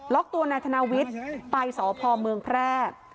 ล็อกตัวนายธนาวิทย์ไปสอพอมเมืองแพร่